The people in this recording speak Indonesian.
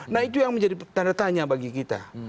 nah itu yang menjadi tanda tanya bagi kita